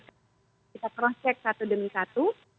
kita cross check satu demi satu